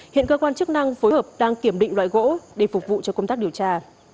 hiện cơ quan chức năng phối hợp đang kiểm định loại gỗ để phục vụ cho công tác điều tra